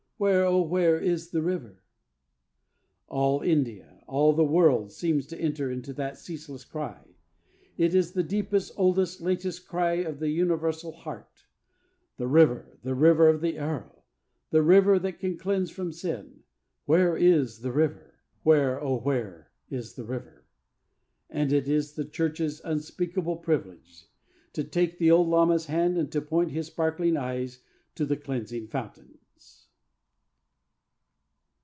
Where, oh, where is the River?' All India, all the world seems to enter into that ceaseless cry. It is the deepest, oldest, latest cry of the universal heart: 'The River; the River of the Arrow; the River that can cleanse from Sin; where is the River? Where, oh, where is the River?' And it is the Church's unspeakable privilege to take the old lama's hand and to point his sparkling eyes to the cleansing fountains.